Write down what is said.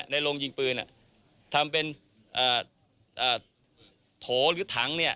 ในโรงยิงปืนทำเป็นโถหรือถัง